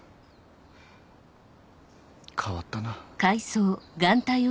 変わったな。